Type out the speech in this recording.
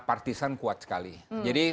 partisan kuat sekali jadi